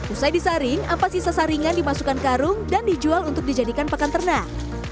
usai disaring apa sisa saringan dimasukkan ke karung dan dijual untuk dijadikan pekan ternak